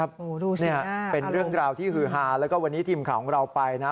ครับเป็นเรื่องราวที่หือฮาแล้วก็วันนี้ทีมข่าวของเราไปนะ